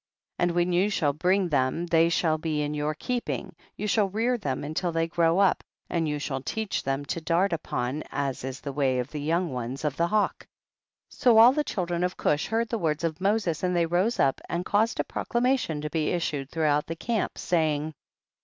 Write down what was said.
14. And when you shall bring them they shall be in your keeping, you shall rear them until they grow up, and you shall teach them to dart upon, as is the way of the young ones of the hawk. THE BOOK OF JASHER. 223 15. So all the children of Cush heard the words of Moses, and they rose up and caused a proclamation to be issued throughout the camp, saying, 16.